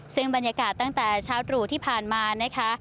ซึ่งบรรยากาศตั้งแต่เช้าตรู่ที่ผ่านมานะคะ